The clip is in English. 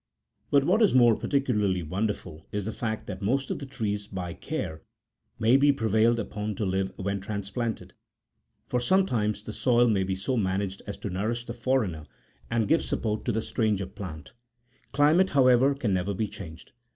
But what is more parti cularly wonderful, is the fact that most of the trees by care may be prevailed upon to live when transplanted ; for some times the soil may be so managed as to nourish the foreigner and give support to the stranger plant ; climate, however, can never be changed.